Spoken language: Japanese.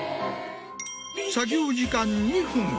作業時間２分。